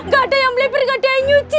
gak ada yang melepih gak ada yang nyuci